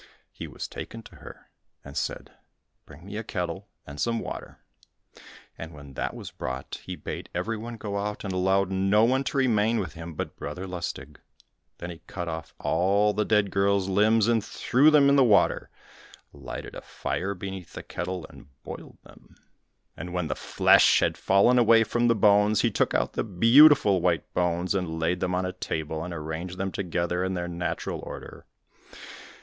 He was taken to her, and said, "Bring me a kettle and some water," and when that was brought, he bade everyone go out, and allowed no one to remain with him but Brother Lustig. Then he cut off all the dead girl's limbs, and threw them in the water, lighted a fire beneath the kettle, and boiled them. And when the flesh had fallen away from the bones, he took out the beautiful white bones, and laid them on a table, and arranged them together in their natural order.